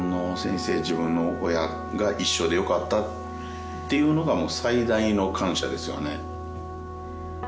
自分の親が一緒でよかったっていうのがもう最大の感謝ですよね